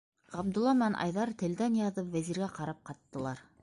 Ғабдулла менән Айҙар, телдән яҙып, Вәзиргә ҡарап ҡаттылар.